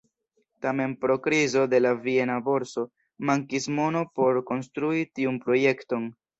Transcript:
Tamen pro krizo de la viena borso, mankis mono por konstrui tiun projekton.